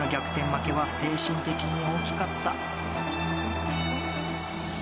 負けは精神的に大きかった。